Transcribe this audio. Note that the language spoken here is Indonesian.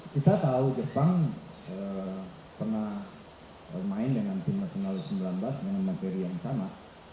kita tahu jepang pernah bermain dengan tim nasional u sembilan belas dengan materi yang sama